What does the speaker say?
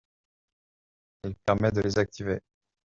Il permet de les activer.